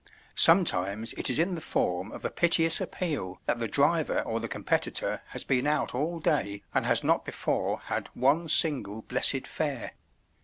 Sometimes it is in the form of a piteous appeal that the driver or the competitor has been out all day and has not before had "one single blessed fare."